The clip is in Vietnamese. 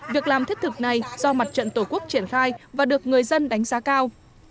việc làm thiết thực này do mặt trận tổ quốc triển khai và được người dân đánh giá cao